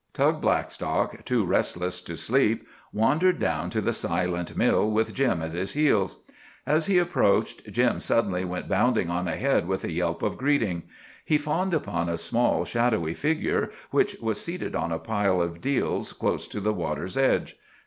Tug Blackstock, too restless to sleep, wandered down to the silent mill with Jim at his heels. As he approached, Jim suddenly went bounding on ahead with a yelp of greeting. He fawned upon a small, shadowy figure which was seated on a pile of deals close to the water's edge.